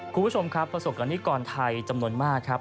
คุณผู้ชมครับประสบกรณิกรไทยจำนวนมากครับ